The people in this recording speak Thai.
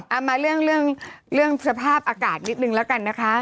เอ่อมาเรื่องระหว่ำสภาพอากาศนิดนึงแล้วกันนะครับ